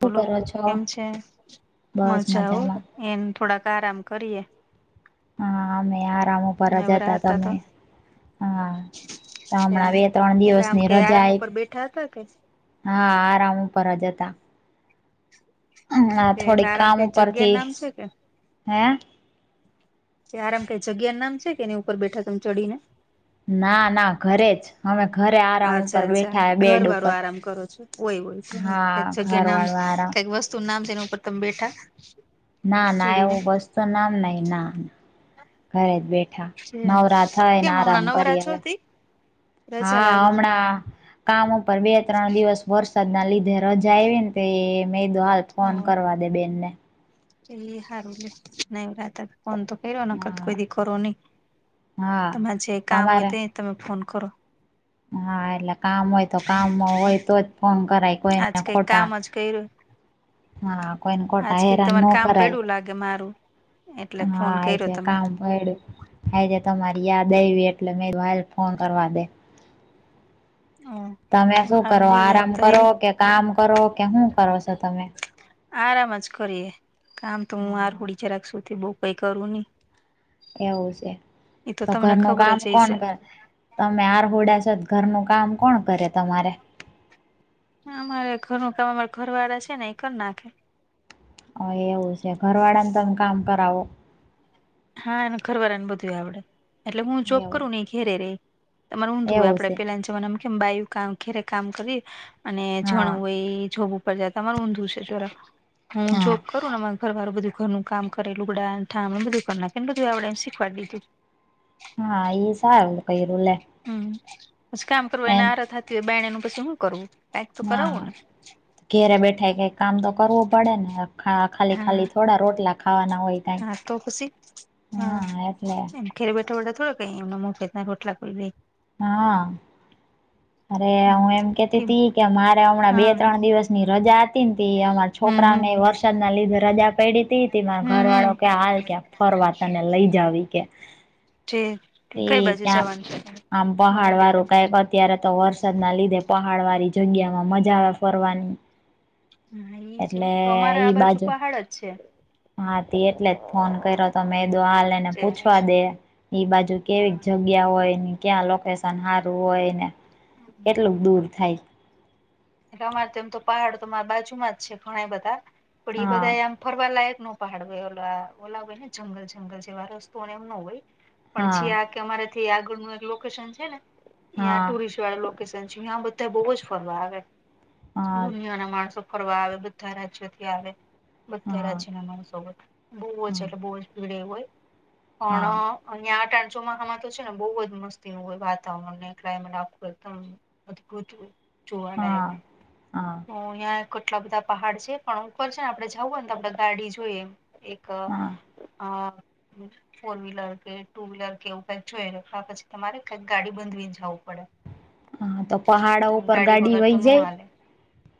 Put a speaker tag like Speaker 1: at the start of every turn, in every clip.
Speaker 1: શું કરો છો?
Speaker 2: કમ છે?
Speaker 1: બસ
Speaker 2: મજા હો.
Speaker 1: મજામાં.
Speaker 2: એમ થોડાક આરામ કરીએ.
Speaker 1: હા, અમેય આરામ ઉપર જ હતા.
Speaker 2: નવરા તો
Speaker 1: તમે? હા. તો હમણાં બે-ત્રણ
Speaker 2: એટલે આમ
Speaker 1: દિવસની
Speaker 2: કે
Speaker 1: રજા
Speaker 2: આરામ
Speaker 1: આયપ
Speaker 2: ઉપર બેઠા હતા કે
Speaker 1: હા, આરામ ઉપર જ હતા. હમણાં
Speaker 2: એટલે
Speaker 1: થોડીક
Speaker 2: આરામ
Speaker 1: કામ
Speaker 2: કઈ જગ્યા
Speaker 1: ઉપરથી,
Speaker 2: નામ છે કે
Speaker 1: હે?
Speaker 2: કે આરામ કંઈ જગ્યા નામ છે કે નહીં ઉપર બેઠા તમ ચડીને.
Speaker 1: ના ના ઘરે જ અમે ઘરે આરામ ઉપર
Speaker 2: અચ્છા-અચ્છા.
Speaker 1: બેઠા
Speaker 2: ઘર
Speaker 1: બેડ
Speaker 2: વાળું
Speaker 1: ઉપર
Speaker 2: આરામ કરો છો. ઓય-ઓય. કાંઈક
Speaker 1: હા ઘર
Speaker 2: જગ્યા નામસ,
Speaker 1: વાળું આરામ
Speaker 2: કાંઈક વસ્તુનું નામ સે એના ઉપર તમે બેઠા.
Speaker 1: ના, ના
Speaker 2: ચડીને
Speaker 1: એવું વસ્ત નામ નહીં, ના. ઘરે જ બેઠ ઠા નવરા થઈ ને,
Speaker 2: કેમ
Speaker 1: આરામ
Speaker 2: હમણાં નવરા
Speaker 1: કરીએ
Speaker 2: છો
Speaker 1: હવે.
Speaker 2: તી રજા
Speaker 1: હા
Speaker 2: લાગેલી
Speaker 1: હમણાં કામ ઉપર બે-ત્રણ દિવસ વરસાદ ના લીધે રજા આયવીન તે મેં દો હાલ
Speaker 2: હ
Speaker 1: ફોન કરવા દે બેનને.
Speaker 2: [unintelligible] ફોન તો કયરો, નકર તો
Speaker 1: હા
Speaker 2: કોઈ દી કરો નહીં.
Speaker 1: હા
Speaker 2: તમારે જે કામ હોય
Speaker 1: તમારે
Speaker 2: તે તમે ફોન કરો.
Speaker 1: હા એટલે કામ હોય તો કામમાં હોય તો જ ફોન કરાય.
Speaker 2: આજ
Speaker 1: કોઈને
Speaker 2: કંઈ
Speaker 1: ખોટા
Speaker 2: કામ જ કયરું.
Speaker 1: હા કોઈને
Speaker 2: આજ
Speaker 1: ખોટા
Speaker 2: કંઈક
Speaker 1: હેરાન ન
Speaker 2: તમાર કામ
Speaker 1: કરાય
Speaker 2: પયડું લાગે હે મારું. એટલે
Speaker 1: હા
Speaker 2: ફોન કર્યો
Speaker 1: આજે
Speaker 2: તમે.
Speaker 1: [unintelligible] આજે તમારી યાદ આયવી એટલે મેં કીધું હાયલ ફોન કરવા દે.
Speaker 2: હા.
Speaker 1: તમે શું કરો? આરામ કરો, કે કામ કરો, કે હું કરો સો તમે?
Speaker 2: આરામ જ કરીએ. કામ તો હું
Speaker 1: હા
Speaker 2: આરકુડી જરાક સૂતી બહું કાંઈ કરું નહીં.
Speaker 1: એવું સે. તો ઘરનું
Speaker 2: ખબર
Speaker 1: કામ
Speaker 2: જ
Speaker 1: કોણ
Speaker 2: હશે
Speaker 1: કરે? તમે આરહુડા સો તો ઘરનું કામ કોણ કરે તમારે?
Speaker 2: અમારે ઘરનું કામ અમારા ઘર વાળા છે ને ઈ કર નાખે.
Speaker 1: અહ એવું સે ઘરવાળા ને તમે કામ કરાવો.
Speaker 2: હા. એને ઘરવાળાને બધું આવડે. એટલે હું જોબ
Speaker 1: એવું
Speaker 2: કરું ને ઈ ઘેરે રેય. તમારે ઊંધું હોય,
Speaker 1: એવું
Speaker 2: આપણે
Speaker 1: છે.
Speaker 2: પેલા જમાનામાં કેમ બાયું કામ ઘેરે કામ કરીએ અને
Speaker 1: હા
Speaker 2: જણ હોય ઈ જોબ ઉપર જતા. તમાર ઊંધું છે જરાક, હું
Speaker 1: હા
Speaker 2: જોબ કરું ને માર ઘરવાળું બધું ઘરનું કામ કરે, લુંગડાન થામ, એ બધું કર નાખે, એને બધું આવડે હે, એન શીખવાડ દીધું.
Speaker 1: હા ઈ સારું કયરું લે.
Speaker 2: હમ્મ. પછી કામ કરવુ એને
Speaker 1: એમ
Speaker 2: આરહ થતી હોય બાયણેનું પછી હું કરવું કાંઈક તો
Speaker 1: હા
Speaker 2: કરાવુંને.
Speaker 1: ઘેરે બેઠાય કાંઈ કામ તો કરવું પડે ને, ખા ખાલી-ખાલી
Speaker 2: હા
Speaker 1: થોડા રોટલા ખાવાના. હોય કાઈ
Speaker 2: હા તો પસી. હા એમ. ઘેરે બેઠા-બેઠા થોડી કાંઈ એમ મફત રોટલા કોઈ દે.
Speaker 1: હા. અરે હું એમ કહેતી
Speaker 2: હમ
Speaker 1: તી કે મારે હમણાં બે
Speaker 2: હા
Speaker 1: ત્રણ દિવસ ની રજા હત તીન તે અમાર
Speaker 2: હમ હમ
Speaker 1: છોકરાઓને વરસાદના લીધે રજા પયડી તી તી માર
Speaker 2: હમ
Speaker 1: ઘરવાળો
Speaker 2: હમ
Speaker 1: કે હાલ ક્યાંક ફરવા તને લઈ જાઉ ઈ કે.
Speaker 2: છે. તે કંઈ બાજુ જાવાન
Speaker 1: આમદા હાડવા રોકાયલા અત્યારે તો વરસાદ ના લીધે પહાડ વાળી જગ્યા માં મજા આવે ફરવાની. એટલે ઈ બાજુ
Speaker 2: ખાડો જ છે.
Speaker 1: હા તી એટલે જ ફોન કર્યો તો મે કીધું હાલ એને
Speaker 2: છે જે
Speaker 1: પૂછવા દે ઈ બાજુ કેવી
Speaker 2: હા
Speaker 1: જગ જગ્યા હોય ક્યાં લોકેશન સારું હોયને કેટલું દૂર થાય.
Speaker 2: ઈ તો અમાર તો એમ તો પહાડ તો મારા બાજુમાં જ છે ઘણા બધા પણ એ
Speaker 1: હા
Speaker 2: બધા આમ ફરવાલાયક નો પહાડ હોય ઓલા હોય ને જંગલ જંગલ જેવા રસ્તો એમ નો હોય. પણ
Speaker 1: હા
Speaker 2: જ્યાં તમારા થી આગળનું એક લોકેશન છે ને ત્યાં
Speaker 1: હા
Speaker 2: ટુરિસ્ટ વાળુ લોકેશન છે અયા બધા બોવ જ ફરવા આવે.
Speaker 1: હા
Speaker 2: દુનિયાના માણસો ફરવા આવે બધા રાજ્યોથી આવે. બધા
Speaker 1: હા
Speaker 2: રાજ્યના માણસો હોય બો ઓછા
Speaker 1: હા
Speaker 2: એટલે બો જ ભીડ ના હોય પણ
Speaker 1: હા
Speaker 2: અહીંઆ ટા ચોમાસા માં તો છે ને બો જ મસ્તી નું હોય વાતાવરણ ને ક્લાયમેટ આ ગોતવું જોવા લાયક
Speaker 1: હા હા.
Speaker 2: અહંયા કેટલા બધા પહાડ છે પણ ઉપર છે ને આપડે જવું ને તો આપડે ગાડી જોઈએ એક તો
Speaker 1: હા
Speaker 2: આ અ ફોર વ્હીલર કે ટુ વ્હીલર કે એવું કઈક જોઇએ કા પછી તમારે કઈક ગાડી બાંધી ને જવું પડે.
Speaker 1: હા તો પહાડો ઉપર ગાડી વહી જાય.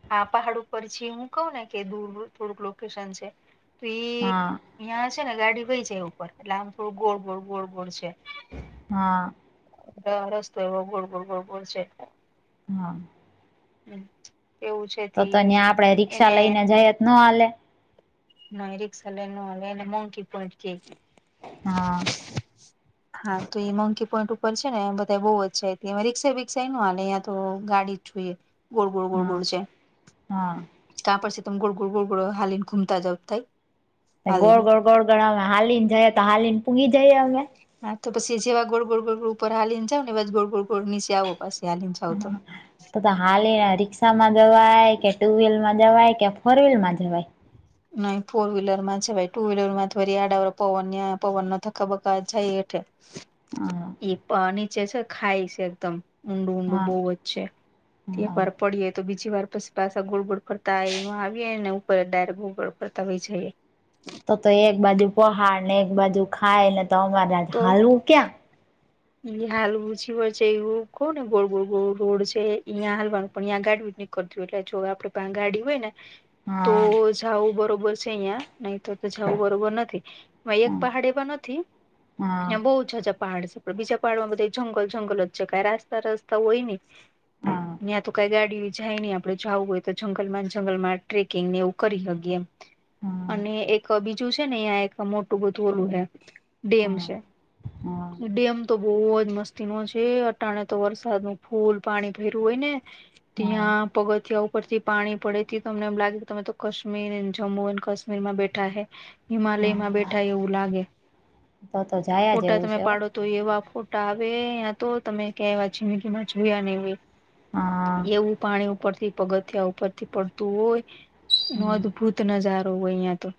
Speaker 2: હા પહાડ ઉપર છે એમ કહું ને કે દૂર થોડુંક લોકેશન છે. તો ઈ
Speaker 1: હા
Speaker 2: ત્યાં છે ને ગાડી વહી જાય ઉપર એટલે આમ થોડું ગોળ ગોળ ગોળ ગોળ છે.
Speaker 1: હા.
Speaker 2: ત્યાં રસ્તો એવો ગોળ ગોળ ગોળ ગોળ છે.
Speaker 1: હા.
Speaker 2: હમમ એવું છે.
Speaker 1: તો
Speaker 2: તે
Speaker 1: તમે આપડે રી્ષા
Speaker 2: એને
Speaker 1: લઈને જાયે તો નો હાલે.
Speaker 2: નય રીક્ષા લઈ નો હાલે એને મકી પોઈન્ટ કેય.
Speaker 1: હા.
Speaker 2: હા તો એ મંકી પોઈન્ટ ઉપર છે ને બધા બો રિક્ષા બિક્સા ન હાલે ત્યાં તો ગાડી જોઈએ ગોળ ગોળ ગોળ
Speaker 1: હા
Speaker 2: ગોળ છે.
Speaker 1: હા
Speaker 2: કા પછી તમે ગોળ ગોળ ગોળ ગોળ હાલીને ઘૂમતા જાવ થાય
Speaker 1: ગોળ
Speaker 2: હાલીને.
Speaker 1: ગોળ ગોળ ગોળ આમ હાલી ને જાય તો હાલીને પૂગી જઈએ અમે.
Speaker 2: હા તો પછી જેવા ગોળ ગોળ ગોળ ઉપર હાલીને જાવ ને તેવા જ ગોળ ગોળ ગોળ નીચે આવો પછી હાલી ને જાવ તો
Speaker 1: તો તો હાલ આ રિક્ષામાં જવાય કે ટુ વ્હીલમાં જવાય કે ફોર વ્હીલ માં જવાય. [inaudible]
Speaker 2: નય ફોર વ્હીલરમાં જવાય ભાઈ ટુ વ્હીલર માં થોડી આડ આવે પવન ના ધકાબકા જાય એટલે
Speaker 1: હા.
Speaker 2: એ પણ નીચે છે ખાય છે એકદમ. ઊંડું ઊંડું
Speaker 1: હા
Speaker 2: બોવ જ છે એક
Speaker 1: હા
Speaker 2: વાર પડીએ તો બીજી વાર પછી પાછા ગોળ ગોળ ફરતા અય નો આવીએ ને ઉપર ડાયરેક ઉપર પડતા વહી જઈએ.
Speaker 1: તો તો એક બાજુ પહાડ ને એક બાજુ ખાય ને તો અમારે હાલવું ક્યાં.
Speaker 2: અહિયા હાલવું છવય છે એવું કઉ ને ગોળ ગોળ ગોળ રોડ છે અહિયાં હાલવાનું પણયાં ગાડવી કથયું એટલે જો આપડે પાહે ગાડી હોય ને તો
Speaker 1: હા
Speaker 2: જાવું બરોબર છે અહિયાં નય તો જાવું બરોબર નથી. વાય એફ પહાડી ઓ માં નથી. ત્યાં બહુ જજા પહાડ છેડે બીજા પહાડમાં બધા જંગલ જંગલ જ છે ક રસ્તા રસ્તા હોય નને યા તું કઈ ગાડી જાય નહી આપડે જવું હોય તો જંગલમાં જંગલ માં ટ્રેકિંગ ને એવું કરી શકીએ એમ અને એક બીજું છે ને અહં એક મોટું બધું ઓલું હે ડેમ ડેમ તો બહુજ મસ્તી નો છે અટાણે તો વરસાદ નૂ ફૂલ પાણી પેર્યું હોય ને ત્યાં પગથિયા ઉપરથી પાણી પડે તો તમને એમ લાગે તમે તો કાશ્મીર જમ્મુ એન્ડ કાશ્મીર માં બેઠા હે હિમાલયમાં બેઠા એવું લાગે
Speaker 1: તો તો જાય
Speaker 2: ફોટા તમે પાડો તો એવા ફોટા આવે તયાં તો તમે ક્યા એવા જિંદગી માં જોયા ને
Speaker 1: હા
Speaker 2: એવું પાણી ઉપરથી પગથિયા ઉપરથી પડતું હોય નો અદભુત નઝારો હોય યા તો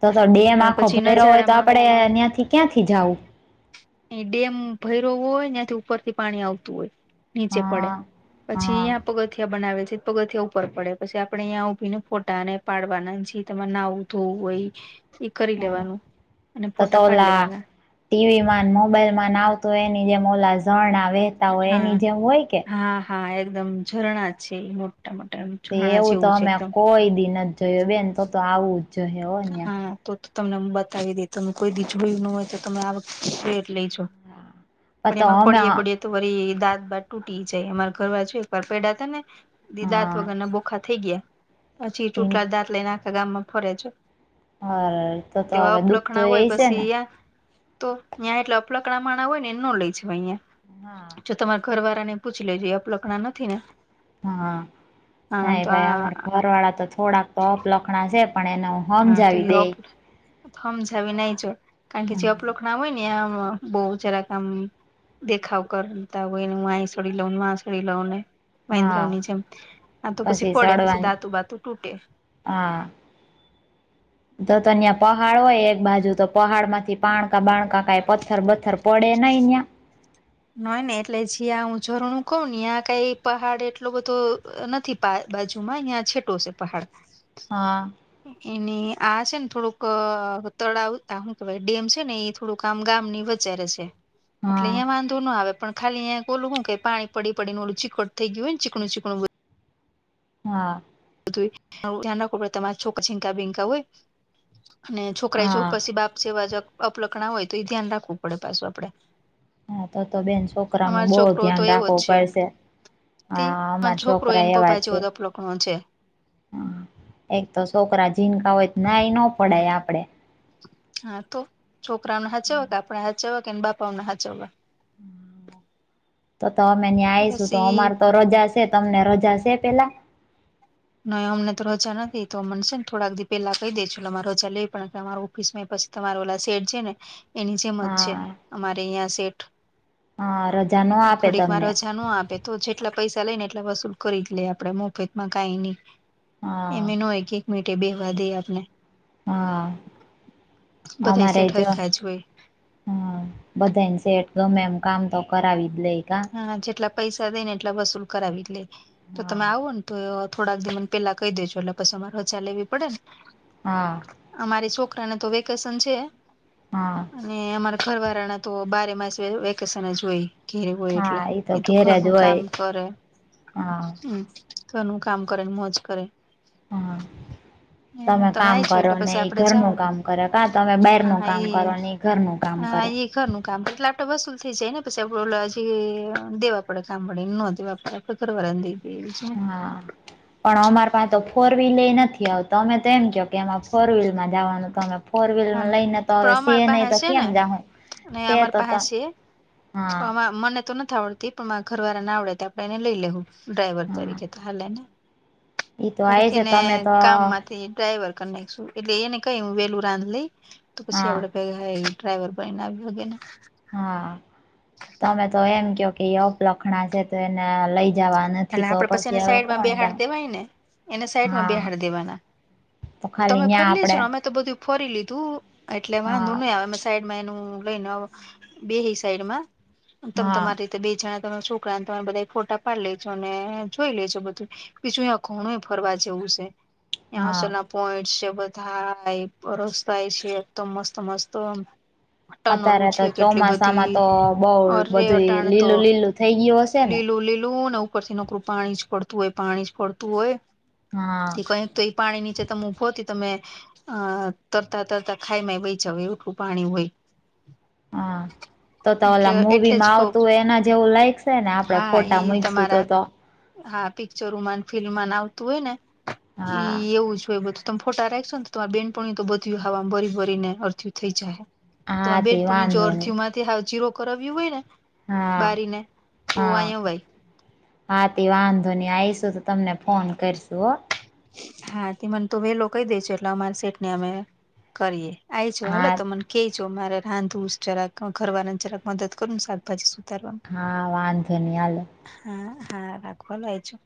Speaker 1: તો તો ડેમ
Speaker 2: પણ
Speaker 1: આખો
Speaker 2: પછી
Speaker 1: ભય્યો હોય તો
Speaker 2: નજારામાં
Speaker 1: આપડે નહિયાંથી ક્યાંથી જવું
Speaker 2: એ ડેમ ભૈરોવ હોય ત્યાંથી ઉપરથી પાણી આવતું હોય નીચે પડે
Speaker 1: હા
Speaker 2: પછી
Speaker 1: હા
Speaker 2: યા પગથિયા બનાવે છે પગથિયા ઉપર પડે પછી આપડણે અહીં ઉભીને ફોટાને પાડવાના જેી તમારે નાવ તોય એ કરી
Speaker 1: હા
Speaker 2: લેવાનું અને ફોટા પાડ લેવાના
Speaker 1: ટીવી માં મોબાઈલ ન આવતો હોય એની જેમ ઓલા ઝરણા વહેતા હોય
Speaker 2: હા
Speaker 1: એની જેમ હોય કે
Speaker 2: હા હા એકદમ ઝરણા છે મોટા મોટા
Speaker 1: તે
Speaker 2: ઝરણા
Speaker 1: એવું તો
Speaker 2: જેવું છે
Speaker 1: અમે
Speaker 2: એકદમ
Speaker 1: કોઈ દી નથી જ જોયો બેન તો તો આવું જ જોઈએ હો ન્યા
Speaker 2: હા તો તો તમને બતાવી દે ત કોઈ દી જયુ ન હોય તો તમે આ વખતે રેટ લઈજો પણ
Speaker 1: તો
Speaker 2: એમાં
Speaker 1: અમે
Speaker 2: પડીયે બડિય તો વરી દાંત બાાત તૂટી જાય અમારા ઘર વા જો એક વાર પેડા હતા ને દાંત
Speaker 1: હા
Speaker 2: વગરને બોખા થઈ ગયા પછી
Speaker 1: તીન
Speaker 2: ચૂટલા દાંત લઈને આખે ગામમાં ફરે છે
Speaker 1: હા તો તો
Speaker 2: તેવા
Speaker 1: હવે દુઃખ તો
Speaker 2: અપલખણા
Speaker 1: એ
Speaker 2: હોય
Speaker 1: છે ને
Speaker 2: પછી તો તહી્યાં એટલે અલકડા માના હોય ને એ ન લઈ જ અહિયાયા
Speaker 1: હા
Speaker 2: જો તમારા ઘરવાળા ને પૂછી લેજઈ આપલકણા નથી ને
Speaker 1: હા
Speaker 2: હા
Speaker 1: ના
Speaker 2: તો
Speaker 1: ભાઈ
Speaker 2: આ
Speaker 1: અમાર ઘર વાળા તો થોડાક તો અપ લખણા છે પણ એનો
Speaker 2: હા તો એ સમજાવી નાહી જોડ કારણ કે જે અપલોક ના હોય ને આ બહ જરાક આમ દેખાવ કરતા હોયને હું છડી લઉં ને મા છડી લઉં ને
Speaker 1: હા
Speaker 2: વાહેન્દ્રવની જેમ આ તો પછી પડે પછી દાતુ બાતુ તૂટે
Speaker 1: હા તો ત ત્યાં પહાડ હોય એક બાજુ તો પહાડ માંથી પાણકા બાણકા કઈ પથર પથ્થર પડે નઈં ન્યાં
Speaker 2: નય ને એટલે જ્યાં હું ઝરણું કહ ને આ્યા કઈ પહાડ એટલો બધો નથી બાજુ માં અહં છેટો છે પહાડ
Speaker 1: હા
Speaker 2: એને આ છે ને થોડુંક તળાવું કે હૂ કેવાય ડેમ છે ને એ થોડું કામ ગામ ની વચ્ચે છે એટલે
Speaker 1: હા
Speaker 2: અહંયા વાંધ ના આવે પણ ખાલી અયા ઓલું કે પાણી પડી પડી ને ઓલું ચીકટ થઈ ગયું ને ચીકું ચીકણું
Speaker 1: હા
Speaker 2: બધું યે ધ્યાન રાખવું પડે તમારે છોકરિ છીંકા બીંકા હોય અને છોકરા જો
Speaker 1: હા.
Speaker 2: પછી બાપ જેવા જ અપલખણા હોય તો ઈ ધ્યાન રાખવું પડે પાછું આપડે.
Speaker 1: હા તો-તો બેન છોકરા
Speaker 2: અમારો
Speaker 1: નું બહુ
Speaker 2: છોકરો તો
Speaker 1: ધ્યાન
Speaker 2: એવો જ
Speaker 1: રાખવું
Speaker 2: છે
Speaker 1: પડશે.
Speaker 2: તે
Speaker 1: હા
Speaker 2: અમારો
Speaker 1: અમારા
Speaker 2: છોકરો
Speaker 1: છોકરા
Speaker 2: એને
Speaker 1: એવા
Speaker 2: પપ્પા
Speaker 1: જ છે.
Speaker 2: [unintelligible]
Speaker 1: હા. એક તો છોકરા જીનકા હોય તો ના એ ન પડાય આપડે.
Speaker 2: હા તો. છોકરાવને હાચવવા કે આપણા હાચવવા કે એન બાપાઓને હાચવવા.
Speaker 1: તો-તો અમે ન્યાં
Speaker 2: બસ
Speaker 1: આઈશું તો
Speaker 2: ઈ
Speaker 1: અમારે તો રજા સે, તમને રજા સે પેલા?
Speaker 2: નહીં અમને તો રજા નથી, તો મન સે ને થોડાક દી પેલા કહી દેજે એટલે મારે રજા લેવી પડે. એટલે અમારા ઓફિસ માં એય પછી તમારો ઓલા શેઠ છે ને એની જેમ જ છે.
Speaker 1: હા
Speaker 2: અમારે અહિયાં સેઠ.
Speaker 1: હા રજા ન આપે
Speaker 2: થોડીક વાર
Speaker 1: તમને
Speaker 2: રજા ન આપે તો જેટલા પૈસા લઈ ને એટલા વસૂલ કરી જ લઈએ આપડે મફતમાં કાંઈ નહીં.
Speaker 1: હા
Speaker 2: એમેય ન હોય કે એક મિનિટે બેહવા દઈ આપને.
Speaker 1: હા.
Speaker 2: બધા
Speaker 1: અમારેય
Speaker 2: શેઠ
Speaker 1: જો
Speaker 2: હરખા જ હોય
Speaker 1: હા. બધાયને શેઠ ગમે એમ કામ તો કરાવી જ લેઈ કા.
Speaker 2: હા જેટલા પૈસા દઈ ને એટલા વસૂલ કરાવી જ લેય. તો
Speaker 1: હા
Speaker 2: તમે આવો ને તો થોડાક દી ને પહેલા કહી દેજો એટલે પછી અમારે રજા લેવી પડે ને.
Speaker 1: હા.
Speaker 2: અમારી છોકરા ને તો વેકેશન છે.
Speaker 1: હા.
Speaker 2: અને અમારા ઘરવાળા ના તો બારે માસ વે વેકેશન જ હોય. ઘેરે હોય એટલે.
Speaker 1: હા
Speaker 2: એ તો
Speaker 1: ઘેરે જ
Speaker 2: ઘરનું
Speaker 1: હોય
Speaker 2: કામ કરે,
Speaker 1: હા
Speaker 2: હમ્મ. ઘરનું કામ કરે ને મોજ કરે.
Speaker 1: હા. તમે કામ
Speaker 2: આય છો
Speaker 1: કરો
Speaker 2: એટલે
Speaker 1: ને
Speaker 2: પછી
Speaker 1: ઈ
Speaker 2: આપડે
Speaker 1: ઘર નું
Speaker 2: જાઓ
Speaker 1: કામ કરો, કા તમે બાઈર નું કામ કરો ને ઈ ઘરનું કામ કરે.
Speaker 2: ઈ ઘરનું કામ. એટલે આપણે વસુલ થઈ જાય ને પછી આપડું ઓલા જે દેવા પડે કામ [unintelligible] ન દેવા પડે આપડે ઘરવાળા ને દઈ [unintelligible]
Speaker 1: હા. પણ અમાર પાહે તો ફોર વ્હીલ નથી. હવે તમે તો એમ ક્યો કે અમાં ફોર વ્હીલ માં જવાનું તમે ફોર
Speaker 2: હા
Speaker 1: વ્હીલમાં લઈને તો હવે
Speaker 2: પણ
Speaker 1: સે
Speaker 2: અમાર પાહે
Speaker 1: નહી તો
Speaker 2: છે
Speaker 1: કેમ
Speaker 2: ને
Speaker 1: જાહું? સે તો-તો
Speaker 2: અમા મને તો નથ આવડતી. પણ મારા ઘરવાળા ના આવડે ત્યાં આપણે એને લઈ લેહું. ડ્રાઈવર
Speaker 1: હા
Speaker 2: તરીકે તો હાલેને.
Speaker 1: ઈ તો
Speaker 2: ઘડીક
Speaker 1: આય છે
Speaker 2: એને
Speaker 1: તમે તો
Speaker 2: કામ માંથી ડ્રાઈવર કરી નાયખશું, એટલે એને કંઈ હું વહેલું [unintelligible] લઈ તો પછી
Speaker 1: હા
Speaker 2: આપડે ભેગાં ઈ ડ્રાઈવર બનીને આવી હગે ને.
Speaker 1: હા. તમે તો એમ ક્યો કે ઈ અપલખણા સે તો એને લઈ જવાન
Speaker 2: એટલે આપડે પછી એને સાઈડમાં બેહાર દેવાય ને. એને સાઈડમાં
Speaker 1: હા
Speaker 2: બેહાર દેવાના.
Speaker 1: તો ખાલી
Speaker 2: તમે
Speaker 1: ન્યા
Speaker 2: ફરી લેજો
Speaker 1: આપડે
Speaker 2: ને અમે તો બધુંય ફરી લીધું, એટલે વાંધો
Speaker 1: હા
Speaker 2: નહીં આવે, અમે સાઈડમાં એનું લઈને બેહી સાઈડમાં. તમ
Speaker 1: હા
Speaker 2: તમારી રીતે બેય જણા તમારા છોકરા તમારે બધા ફોટા પાડી લે જોને જોઈ લેજો બધુંય. બીજું યાં ઘણુંય ફરવા જેવું સે.
Speaker 1: હા
Speaker 2: [unintelligible] પોઈન્ટસ છે બધાર, રસ્તાંય છે એકદમ મસ્ત-મસ્ત. ટનલું
Speaker 1: અત્યારે તો
Speaker 2: છે કેટલી
Speaker 1: ચોમાસામાં
Speaker 2: બધી.
Speaker 1: તો બઉ
Speaker 2: અરે
Speaker 1: બધું
Speaker 2: અટાણે તો
Speaker 1: લીલું લીલું થઈ ગયો હશે ને
Speaker 2: લીલું-લીલું ને ઉપરથી નકરું પાણી જ પડતું હોય, પાણી જ પડતું હોય.
Speaker 1: હા
Speaker 2: તો કંઈક તો ઈ પાણી નીચે ત ભોથી તમે અ તરતા તરતા ખાઈ ય વહી જાવ એઠું પાણી હોય
Speaker 1: હા તો તો ઓલા
Speaker 2: એટલે એટલે જ
Speaker 1: મવીમાં
Speaker 2: કહ
Speaker 1: આવતું હોય એના જેવું લાગશે ને આપડે
Speaker 2: હા
Speaker 1: ફોટા
Speaker 2: ઈ
Speaker 1: મૂકશું તો
Speaker 2: તમારા
Speaker 1: તો
Speaker 2: હા પિક્ચરોમાં ફિલ્મ ન આવતું હોય ને
Speaker 1: હા
Speaker 2: ઈ એવું જ હોય બધું તમે ફોટા રાખશો ને તો તમારે બેનપણ તો બધ હવામાંમાં મરી ભરીને અડથયું થઈ જાય
Speaker 1: હા
Speaker 2: તમારે બેડ
Speaker 1: તે
Speaker 2: પણ જો
Speaker 1: વાંધો
Speaker 2: અરથ
Speaker 1: નહી
Speaker 2: માંથી હ જીરો કરાવ્યું હોય ને
Speaker 1: હા
Speaker 2: બારી ને સવા એ ભાઈ
Speaker 1: હાથી વાંધોની આવીશું તો તમને ફોન કરશું હો
Speaker 2: હા તે મને તો વેલો કહી દે છે એટલે અમારી સેટ ને અમે કરીએ આઈ જું હાલ
Speaker 1: હા
Speaker 2: તો મને કે જો મારે રાંધું જરાક ઘરવા જરાક મદદ કરું ને શાકભાજી સુધારવાનું
Speaker 1: હા વાંધે ન હાલ
Speaker 2: હા હા રાખવા લ છું